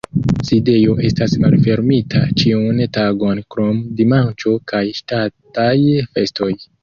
Sidejo estas malfermita ĉiun tagon krom dimanĉo kaj ŝtataj festoj.